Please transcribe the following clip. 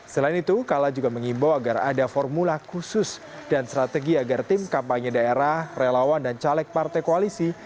selain itu kala juga mengimbau agar ada formula khusus dan strategi agar tim kampanye daerah relawan dan caleg partai koalisi